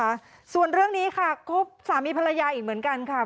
ค่ะส่วนเรื่องนี้ค่ะคบสามีภรรยาอีกเหมือนกันค่ะ